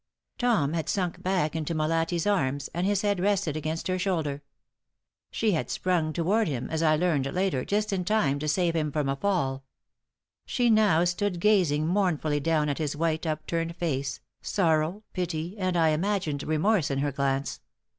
Tom had sunk back into Molatti's arms, and his head rested against her shoulder. She had sprung toward him, as I learned later, just in time to save him from a fall. She now stood gazing mournfully down on his white, upturned face, sorrow, pity and, I imagined, remorse in her glance.